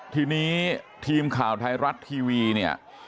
ทีนี้ทีมข่าวไทยรัฐทีวีเนี่ย